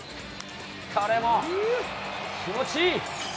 これも気持ちいい。